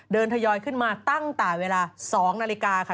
ทยอยขึ้นมาตั้งแต่เวลา๒นาฬิกาค่ะ